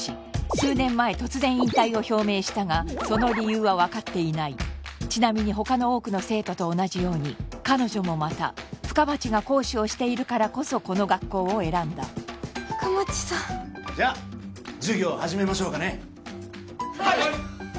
数年前突然引退を表明したがその理由は分かっていないちなみに他の多くの生徒と同じように彼女もまた深町が講師をしているからこそこの学校を選んだ深町さんじゃあ授業始めましょうかねはい！